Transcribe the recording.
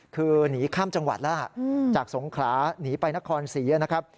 คือหนีข้ามจังหวัดแล้วล่ะจากสงขลาหนีไปนครศรีนะครับ